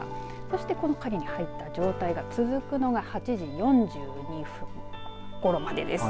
そして、影に入った状態が続くのが、８時４２分ごろまでです。